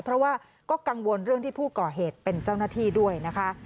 เพราะว่าก็กังวลเรื่องที่ผู้ก่อเหตุเป็นเจ้าหน้าที่ด้วยนะคะ